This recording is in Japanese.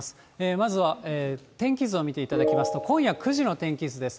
まずは天気図を見ていただきますと、今夜９時の天気図です。